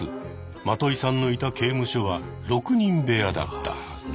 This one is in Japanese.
マトイさんのいた刑務所は６人部屋だった。